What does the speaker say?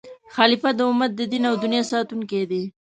خلیفه د امت د دین او دنیا ساتونکی دی.